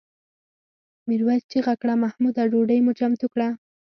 میرويس چیغه کړه محموده ډوډۍ مو چمتو کړه؟